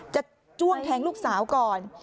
จ้วงแทงลูกสาวก่อน